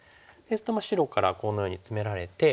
白からこのようにツメられて。